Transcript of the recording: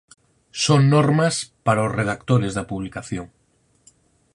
Son normas para os redactores da publicación.